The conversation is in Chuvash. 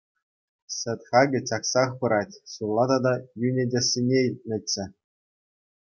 Сӗт хакӗ чаксах пырать, ҫулла тата йӳнетессине илтнӗччӗ.